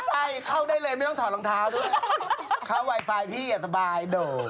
ใช่เข้าได้เลยไม่ต้องถอดรองเท้าด้วย